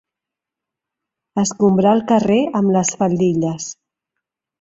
Escombrar el carrer amb les faldilles.